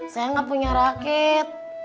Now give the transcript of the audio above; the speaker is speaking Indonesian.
saya gak punya raket